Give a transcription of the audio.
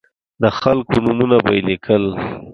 د خلکو نومونه به یې لیکل.